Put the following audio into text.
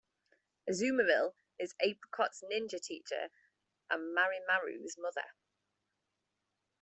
Azumarill is Apricot's ninja teacher and Marimaru's mother.